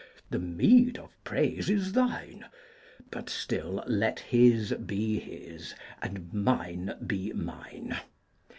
The meed of praise is thine; But still let his be his and mine be mine.